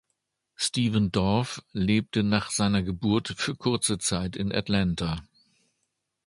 Stephen Dorff lebte nach seiner Geburt für kurze Zeit in Atlanta.